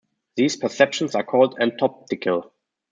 These perceptions are called "entoptical".